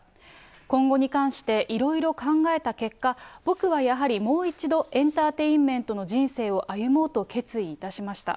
今後に関していろいろ考えた結果、僕はやはりもう一度エンターテインメントの人生を歩もうと決意いたしました。